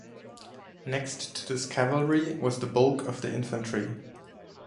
Next to this cavalry was the bulk of the infantry.